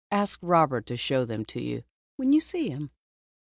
Ask Robert to show them to you when you see him.